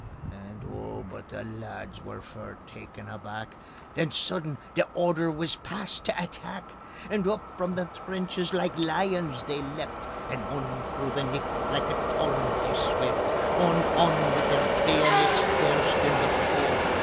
_" And oh but the lads were fair taken aback; Then sudden the order wis passed tae attack, And up from the trenches like lions they leapt, And on through the nicht like a torrent they swept. On, on, wi' their bayonets thirstin' before!